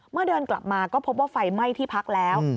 เดินกลับมาก็พบว่าไฟไหม้ที่พักแล้ว